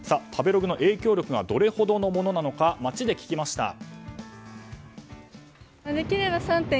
食べログの影響力がどれほどのものなのか街で聞きました。